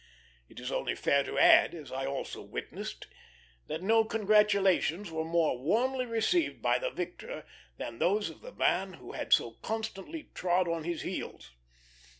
It is only fair to add, as I also witnessed, that no congratulations were more warmly received by the victor than those of the man who had so constantly trod on his heels.